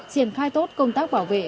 triển khai tốt công tác bảo vệ